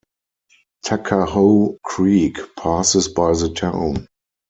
Tuckahoe Creek passes by the town.